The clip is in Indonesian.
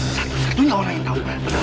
satu satunya orang yang tahu